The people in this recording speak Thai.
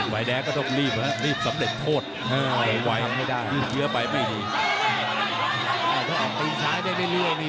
ไว้แดกก็ต้องรีบสำเร็จโทษถึงเยอะไปไม่ดี